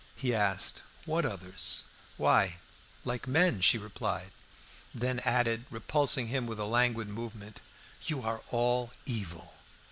He asked, "What others?" "Why, like all men," she replied. Then added, repulsing him with a languid movement "You are all evil!"